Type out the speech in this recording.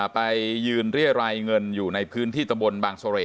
ไปยืนเรียรายเงินอยู่ในพื้นที่ตำบลบางเสร่